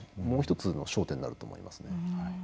もう１つの焦点になると思います。